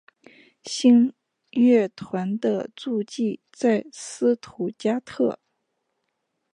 新乐团的驻地在斯图加特。